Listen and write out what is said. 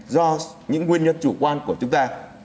do những nguyên nhân chủ quan của chúng ta